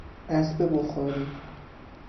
اسب بخاری